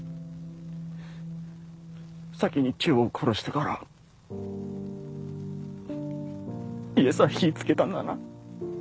先にチヨを殺してから家さ火ぃ付けたんだな。